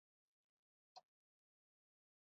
او اوس ښځو سره له نږدیکته چورلټ ډډه کوي.